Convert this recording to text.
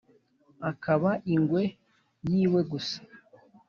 akaba ingwe yiwe gusa.